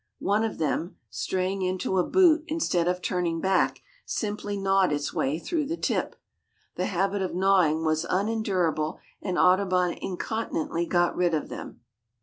One of them, straying into a boot, instead of turning back, simply gnawed its way through the tip. The habit of gnawing was unendurable and Audubon incontinently got rid of them.